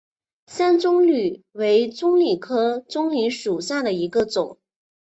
山棕榈为棕榈科棕榈属下的一个种。